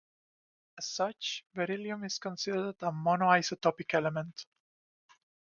As such, beryllium is considered a monoisotopic element.